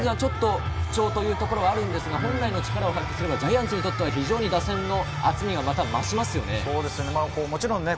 今シーズンはちょっと不調というところはあるんですが本来の力を発揮すればジャイアンツにとっては打線な厚みがまた増しますよね。